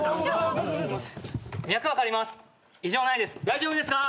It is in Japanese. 大丈夫ですか？